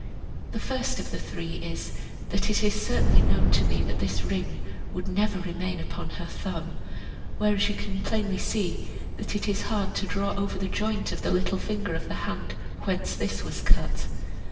The first of the three is, that it is certainly known to me that this ring would never remain upon her thumb, whereas you can plainly see that it is hard to draw it over the joint of the little finger of the hand whence this was cut.